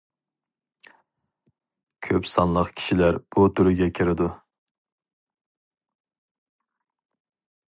كۆپ سانلىق كىشىلەر بۇ تۈرگە كىرىدۇ.